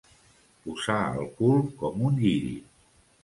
Posar el cul com un lliri.